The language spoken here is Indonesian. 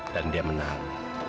dan dia menang